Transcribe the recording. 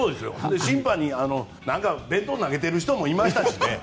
審判に弁当投げてる人もいましたしね。